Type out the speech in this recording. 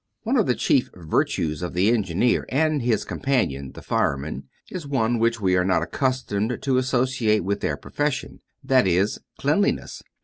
One of the chief virtues of the engineer and his companion, the fireman, is one which we are not accustomed to associate with their profession; and that is cleanliness.